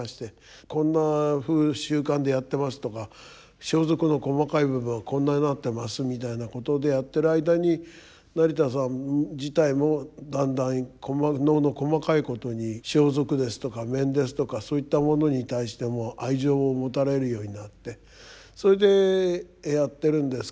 こんなふう習慣でやってますとか装束の細かい部分はこんなになってますみたいなことでやってる間に成田さん自体もだんだん能の細かいことに装束ですとか面ですとかそういったものに対しても愛情を持たれるようになってそれでやってるんですけれども。